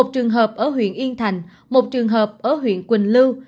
một trường hợp ở huyện yên thành một trường hợp ở huyện quỳnh lưu